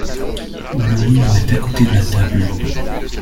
Le livre est à côté de la table.